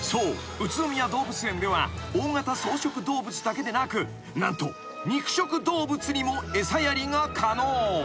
宇都宮動物園では大型草食動物だけでなく何と肉食動物にも餌やりが可能］